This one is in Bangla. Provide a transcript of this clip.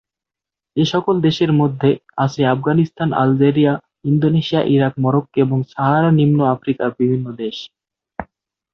এসকল দেশের মধ্যে আছে Afghanistan, Algeria, Indonesia, Iraq, Morocco, এবং সাহারা-নিম্ন আফ্রিকার বিভিন্ন দেশ।